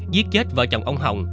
giết chết vợ chồng ông hồng